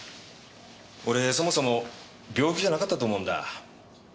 俺そもそも病気じゃなかったと思うんだ。